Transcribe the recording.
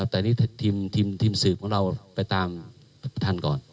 แต่นี่ทีมสืบของเราไปตามทันก่อน